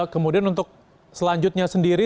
kemudian untuk selanjutnya sendiri